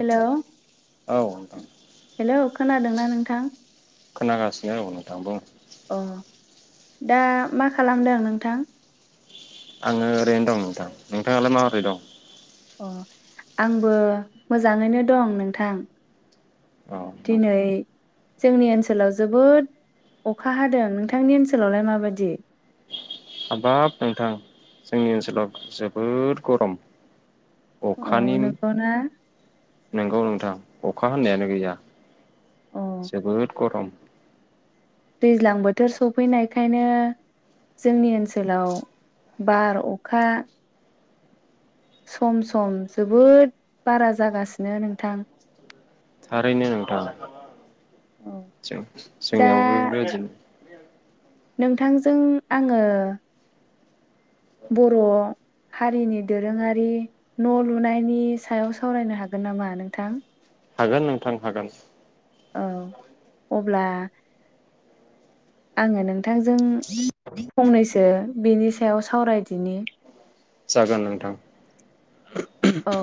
Hello औ नोंथां hello खोनादोंना नोंथां? खोनागासिनो औ नोंथां बुं अ' दा मा खालामदों नोंथां? आङो ओरैनो दं नोंथां नोंथाङालाय माब्रै दं? अ' आंबो मोजाङैनो दं नोंथां। औ दिनै नोंथां जोंनि ओनसोलाव जोबोद अखा हादों नोंथांनि ओनसोलावलाय माबादि? हाबाब नोंथां जोंनि ओनसोलाव जोबोद गरम। अ अखानि नंगौना नोंगौ नोंथां अखा होन्नायानो गैया। अ जोबोद गरम दैज्लां बोथोर सफैनायखायनो जोंनि ओनसोलाव बार, अखा सम सम जोबोद बारा जागासिनो नोंथां थारैनो नोंथां औ जों दा जोंनियावबो बेबायदिनो। [unintelligible] नोंथांजों आङो बर' हारिनि दोरोङारि न' लुनायनि सायाव सावरायनो हागोन नामा नोंथां? हागोन नोंथां हागोन। औ अब्ला आङो नों थांजों फंनैसो ओ बिनि सायाव सावरायदिनि। जागोन नोंथां। औ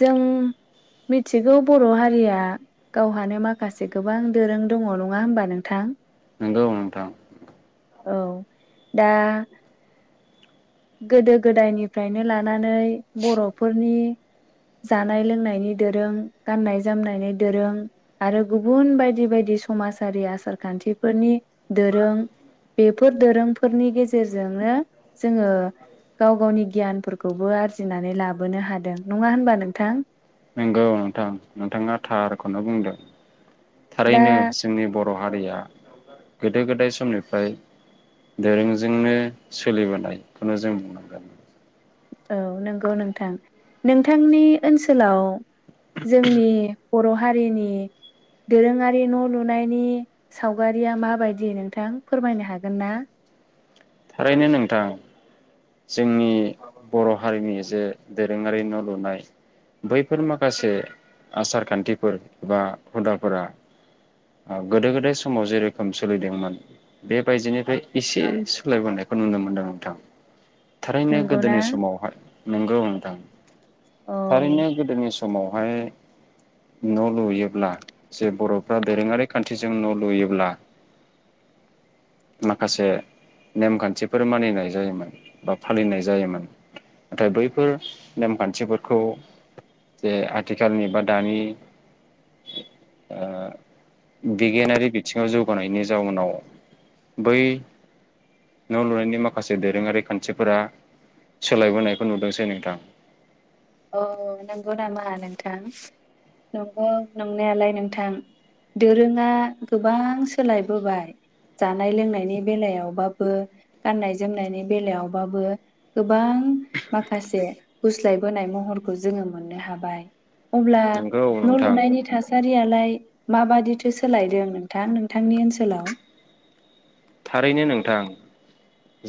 जों मिथिगौ बर' हारिया गावहानो माखासे गोबां दोरों दङ' नङा होमबा नोंथां? नंगौ नोंथां। औ दा गोदो गोदायनिफ्रायनो लानानै बर'फोरनि जानाय लोंनायनि दोरों, गाननाय जोमनायनि दोरों आरो गुबुन बायदि बायदि समाजारि आसार खान्थिफोरनि दोरों बेफोर दोरोंफोरनि गेजेरजोंनो जोङो गाव गावनि गियानफोरखौबो आरजिनानै लाबोनो हादों नङा होनबा नोंथां? नंगौ नोंथां नोंथाङा थारखौनो बुंदों। दा थारैनो जोंनि बर' हारिया गोदो गोदाय समनिफ्राय दोरोंजोंनो सोलिबोनायखौनो जों बुंनांगोन। औ नोंगौ नोंथां। नोंथांनि ओनसोलाव जोंनि बर' हारिनि दोरोङारि न' लुनायनि सावगारिया माबायदि नोंथां फोरमायनो हागोन ना? थारैनो नोंथां। जोंनि बर' हारिनि जे दोरोङारि न' लुनाय बैफोर माखासे आसार खान्थिफोर बा हुदाफोरा ओ गोदो गोदाय समाव जेरोखोम सोलिदोंमोन बेबायदिनिफ्राय एसे सोलायबोनायखौ नुनो मोनदों नोंथां। थारैनो नंगौना गोदोनि समावहाय नोंगौ नोंथां। अ थारैनो गोदोनि सम समावहाय न' लुयोब्ला जे बर'फ्रा दोरोङारि खान्थिजों न' लुयोब्ला माखासे नेमखान्थिफोर मानिनाय जायोमोन बा फालिनाय जायोमोन। नाथाय बैफोर नेमखान्थिफोरखौ जे आथिखालनि बा दानि ओ बिगियानारि बिथिङाव जौगानायनि जाउनाव बै न' लुनायनि माखासे दोरोङारि खान्थिफोरा सोलायबोनायखौ नुदोंसै नोंथां। अऔ नंगौ नामा नोंथां? नंगौ नंनायालाय नोंथां दोरोङा गोबां सोलायबोबाय जानाय लोंनायनि बेलायावबाबो गाननाय जोमनायनि बेलायावबाबो गोबां माखासे गुस्लाय बोनाय महरखौ जोङो मोननो हाबाय। अब्ला नोंगौ न' नोंथां लुनायनि थासे सारियालाय माबादिथो सोलायदों नोंथां नोंथांनि ओनसोलाव? थारैनो नोंथां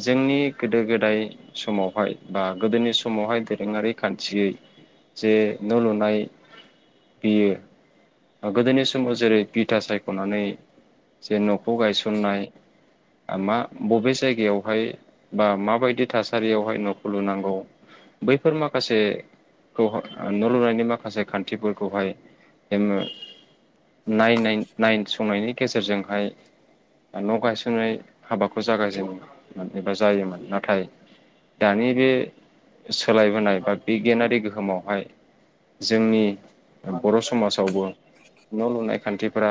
जोंनि गोदो गोदाय समावहाय बा गोदोनि समावहाय दोरोङारि खान्थियै जे न' लुनाय बियो ओ गोदोनि समाव जेरै बिथा सायख'नानै जे न'खौ गायसननाय मा बबे जायगायावहाय बा माबायदि थासारियावहाय नखौ लुनांगौ बैफोर माखासेखौ न' लुनायनि माखासे खान्थिफोरखौहाय जोङो नायनाय नायसंनायनि गेजेरजोंहाय ओ न' गायसननाय हाबाखौ जागायजेनोमोन एबा जायोमोन। नाथाय दानि बे सोलायबोनाय बा बिगियानारि गोहोमावहाय जोंनि बर' समाजाव आवबो न' लुनाय खान्थि फोरा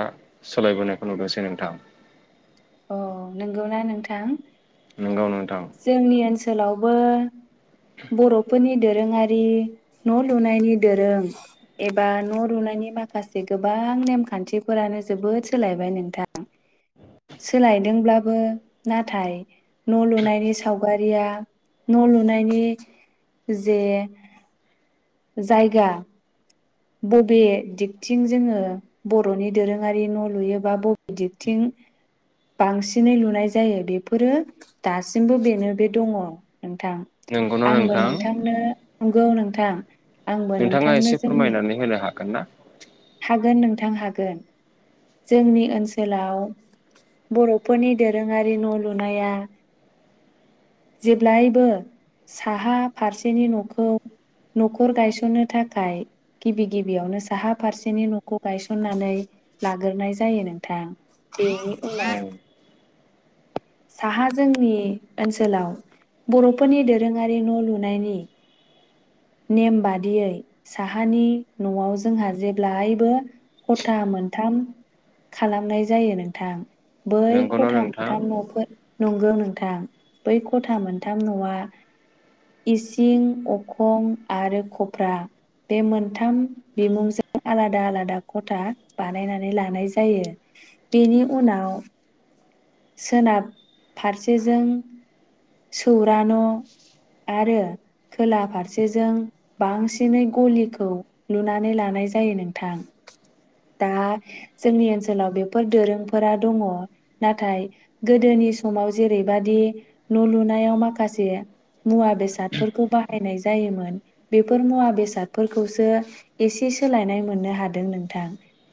सोलायबोनायखौ नुदोंसै नोंथां। अह नंगौना नोंथां? गौ नों जोंनि ओनसोलावबो बर'फोरनि दो रोङारि न' लुनायनि दोरों एबा न' लुनायनि माखासे गोबां नेमखान्थिफोरानो जोबोद सोलायबाय नोंथां। सोलायदोंब्लाबो नाथाय न'लुनायनि सावगारिया न' लुनायनि जे जायगा बबे दिगथिं जोङो बर'नि दोरोङारि न' लुयोबा बबे दिगथिं बांसिनै लुनाय जायो बेफोरो दासिमबो बेनो बे दङ'। नोंथां नंगौना आंबो नोंथां नोंथांनो नंगौ नोंथां। आंबो नोंथाङा नोंथांनो एसे जोंनि फोरमायनानै होनो हा गोनना? हागोन नोंथां हागोन। जोंनि ओनसोलाव बर'फोरनि दोरोङारि न' लुनाया जेब्लायबो साहा फारसेनि न'खौ न'खर गायसननो थाखाय गिबि गिबियावनो साहा फारसेनि न'खौ गायसननानै लाग्रोनाय जायो नोंथां बेनि औ उनाव साहा जोंनि ओनसोलाव बर'फोरनि दोरोङारि न' लुनायनि नेम बादियै साहा हानि न'आव जोंहा जेब्लायबो खथा मोनथाम खालामनाय जायो नोंथां। बै नंगौना खथा नोंथां मोनथाम न'फो नंगौ नोंथां बै खथा मोनथाम न'आ इसिं अखं आरो खब्रा। बे मोनथाम बिमुंजों आलादा आलादा खथा बानायनानै लानाय जायो बेनि उनाव सोनाब फारसेजों सौर न' आरो खोला फारसेजों बांसिनै गलिखौ लुनानै लानाय जायो नोंथां। दा जोंनि ओनसोलाव बेफोर दोरोंफोरा दङ नाथाय गोदोनि समाव जेरैबादि न' लुनायाव माखासे मुवा बेसादफोरखौ बाहायनाय जायोमोन बेफोर मुवा बेसादफोरखौसो एसे सोलायनाय मोननो हादों नोंथां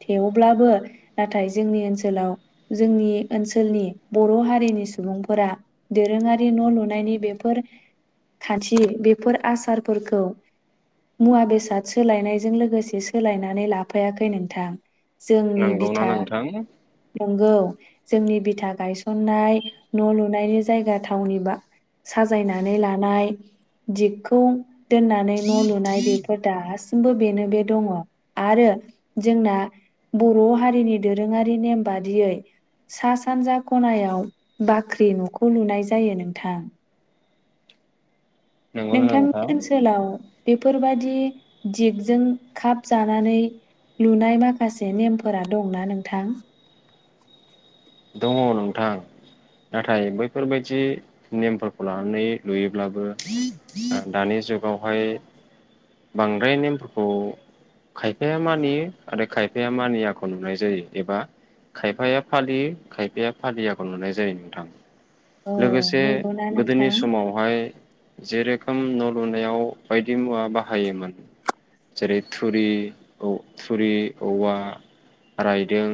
थेवब्लाबो नाथाय जोंनि ओनसोलाव जोंनि ओनसोलनि बर' हारिनि सुबुंफोरा दोरोङारि न' लुनायनि बेफोर खान्थि बेफोर आसारफोरखौ मुवा बेसाद सोलायनायजों लोगोसे सोलायनानै लाफायाखै नोंथां। जोंनि नंगौना बिथा नोंथां नंगौ जोंनि बिथा गायनाय न' लुनायनि जायगा थावनि बा साजायनानै लानाय दिगखौ दोननानै न' लुनाय बेफोर दास्ट बो बेनो बे दङ आरो जोंना बर' हारिनि दोरोङारि नेम बादियै सा सानजा खनायाव बाख्रि नख खौ लुनाय जायो नोंथां। नंगौना नोंथांनि नोंथां ओनसोलाव बेफोरबादि दिगजों खाब जानानै लुनाय माखासे नेमफोरा दंना नोंथां। दङ नोंथां नाथाय बैफोरबायाददि नेमफोरखौ लानानै लुयोब्लाबो दानि जुगावहाय बांद्राय नेमफोरखौ खायफाया मानियो आरो खायफाया मानियाखौ नुनाय जायो एबा खायफाया फालियो खायफाया फालियाखौ नुनाय जायो नोंथां। औ लोगोसे नंगौना गोदोनि नोंथां? समावहाय जेरोखोम न' लुनायाव बायदि मुवा बाहायोमोन जेरै थुरि थुरि औवा रायदों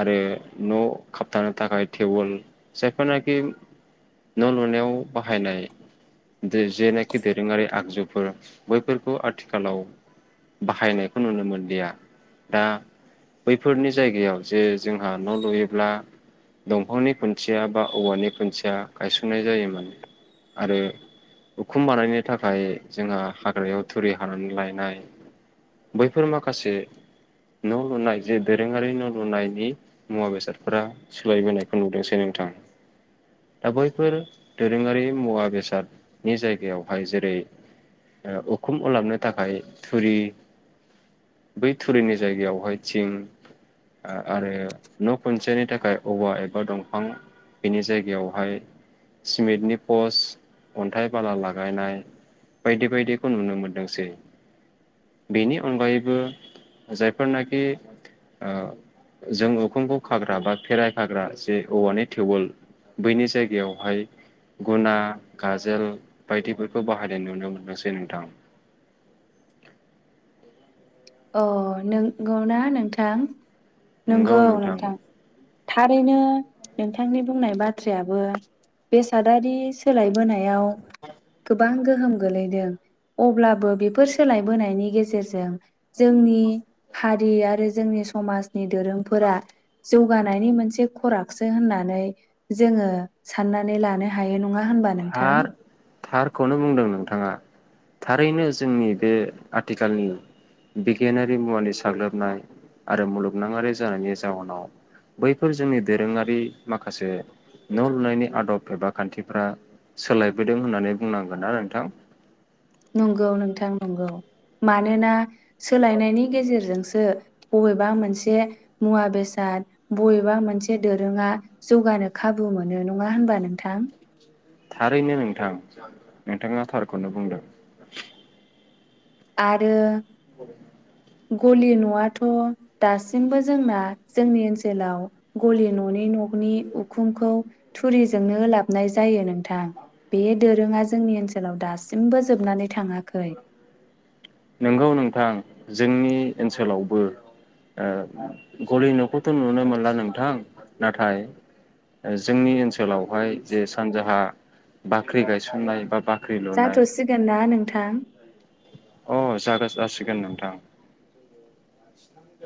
आरो न' खाबथानो थाखाय टेबोल जायफोरना दि न' लुनायाव बाहायनाय जेनाखि दोरोङारि आगजुफोर बैफोरखौ आथिखालाव बाहायनायखौ नुनो मोनलिया। दा बैफोरनि जायगायाव जे जोंहा न' लुयोब्ला दंफांनि खुन्थिया बा औवानि खुन्थिया गायसननाय जायोमोन आरो उखुम बानायनो थाखाय जोंहा हाग्रायाव थुरि हानानै लायनाय बैफोर माखासे न' लुनाय जे दोरोङारि न' लुनायनि मुवा बेसादफोरा सोलायबोनायखौ नुदोंसै नोंथां। दा बैफोर दोरोङारि मुवा बेसादनि जायगायावहाय जेरै उखुम ओलाबनो थाखाय थुरि बै थुरिनि जायगायावहाय थिं आरो न' खनसेनि थाखाय औवा एबा दंफां बिनि जायगायावहाय सिमेन्टनि पस अन्थाइ बाला लागायनाय बायदि बायदिखौ नुनो मोनदोंसै बेनि अनगायैबो जायफोरनाखि ओ जों उखुमखौ खाग्रा बा फेराय खाग्रा जे औवानि टिउबवेल बैनि जायगायावहाय गुना गाजोल बायदिफोरखौ बाहायनाय नुनो मोनदोंसै नोंथां। अ नंगौ ना नोंथां नंगौ नोंथां। थारैनो नोंथांनि बुंनाय बाथ्रायाबो बेसादारि सोलायबोनायाव गोबां गोहोम गोलैदों अब्लाबो बेफोर सोलायबोनायनि गेजेरजों जोंनि हारि आरो जोंनि समाजनि दोरोंफोरा जौगानायनि मोनसे खरागसो होननानै जोङो साननानै लानो हाय यो नङा होनबा नोंथां। थार थारखौनो बुंदों नोंथाङा थारैनो जोंनि बे आथिखालनि बिगियानारि मुवानि साग्लोबनाय आरो मुलुगनाङारि जानायनि जाउोनाव बैफोर जोंनि दोरोङारि माखासे न' लुनायनि आदब एबा खान्थिफ्रा सोलायबोदों होननानै बुंनांगोनना नोंथां? नंगौ नोंथां नंगौ मानोना सोलायनायनि गेजेरजोंसो बबेबा मोनसे मुवा बेसाद बबेबा मोनसे दोरोङा जौगानो खाबु मोनो नङा होनबा नोंथां थारैनो नोंथां नोंथाङा थारखौनो बुंदों। आरो गलि न'आथ' दासिमबो जोंना जोंनि ओनसोलाव गलि न'नि न'नि उखुमखौ थुरिजोंनो लाबनाय जायो नों थां बे दोरोङा ज जोंनिओनसोलाव दासिमबो जोबनानै थाङाखै। नंगौ नोंथां जोंनि ओनसोलावबो ओ गलि न'खौथ' नुनो मोनला नोंथां नाथाय जोंनि ओनसो लावहाय जे सानजाहा बाख्रि गायसननाय बा बा जाथ'सिगोन ना नोंथां अ जागोन जासिगोन नोंथां [inaudible]